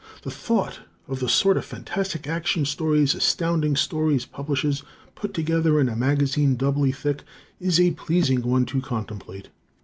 The thought of the sort of fantastic action stories Astounding Stories publishes, put together in a magazine doubly thick, is a pleasing one to contemplate.